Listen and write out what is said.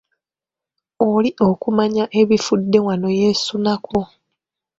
Oli okumanya ebifudde wano yeesunako.